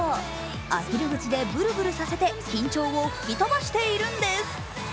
アヒル口でブルブルさせて緊張を吹き飛ばしているんです。